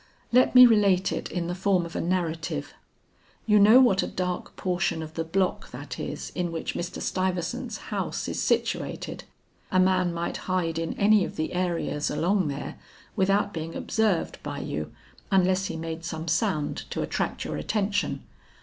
Let me relate it in the form of a narrative. You know what a dark portion of the block that is in which Mr. Stuyvesant's house is situated. A man might hide in any of the areas along there, without being observed by you unless he made some sound to attract your attention.